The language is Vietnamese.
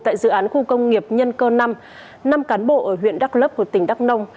tại dự án khu công nghiệp nhân cơ năm năm cán bộ ở huyện đắk lấp của tỉnh đắk nông